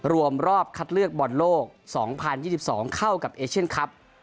รวมรอบคัดเลือกบอลโลก๒๐๒๒เข้ากับเอเชียนครับ